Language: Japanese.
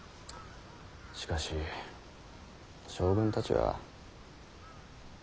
しかし将軍たちは。